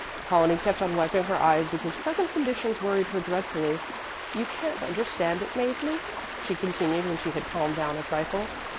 Apollonie kept on wiping her eyes because present conditions worried her dreadfully. "You can't understand it, Mäzli," she continued, when she had calmed down a trifle.